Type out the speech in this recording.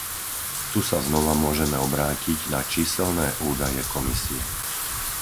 Tu sa znova môžeme obrátiť na číselné údaje Komisie.